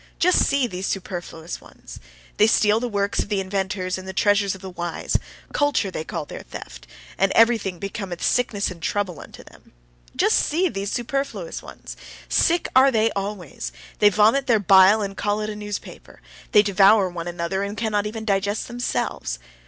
Just see these superfluous ones! They steal the works of the inventors and the treasures of the wise. Culture, they call their theft and everything becometh sickness and trouble unto them! Just see these superfluous ones! Sick are they always; they vomit their bile and call it a newspaper. They devour one another, and cannot even digest themselves.